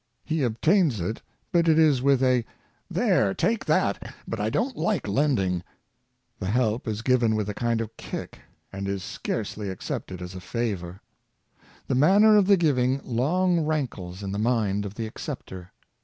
He obtains it, but it is with a '^ There — take that; but I don^t like lending.'' The help is given with a kind of kick, and is scarcely ac cepted as a favor. The manner of the giving long rankles in the mind of the acceptor.